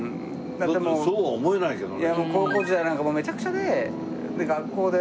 そうは思えないけどね。